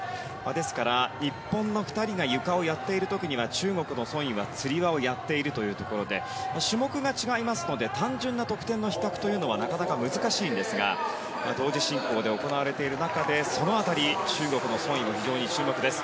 ですから、日本の２人がゆかをやっている時には中国のソン・イは、つり輪をやっているというところで種目が違いますので単純な得点の比較はなかなか難しいんですが同時進行で行われている中でその辺り中国のソン・イも非常に注目です。